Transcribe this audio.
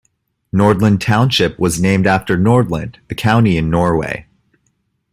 Nordland Township was named after Nordland, a county in Norway.